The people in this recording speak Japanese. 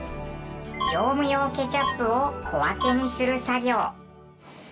業務用ケチャップを小分けにする作業。